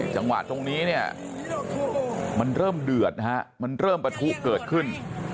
จังหวะตรงนี้เนี่ยมันเริ่มเดือดนะฮะมันเริ่มปะทุเกิดขึ้น